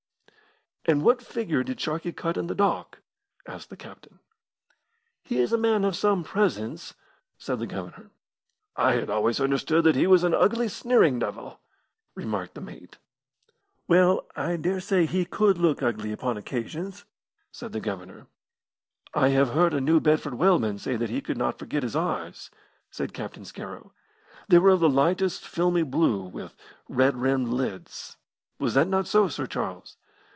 "And what figure did Sharkey cut in the dock?" asked the captain. "He is a man of some presence," said the Governor. "I had always understood that he was an ugly, sneering devil," remarked the mate. "Well, I dare say he could look ugly upon occasions," said the Governor. "I have heard a New Bedford whaleman say that he could not forget his eyes," said Captain Scarrow. "They were of the lightest filmy blue, with red rimmed lids. Was that not so, Sir Charles?"